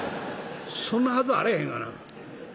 そんなはずあれへんがな。